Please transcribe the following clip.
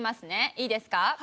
いいですか？